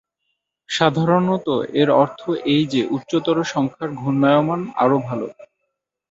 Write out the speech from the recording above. সাধারণত, এর অর্থ এই যে উচ্চতর সংখ্যার ঘূর্ণায়মান আরও ভালো।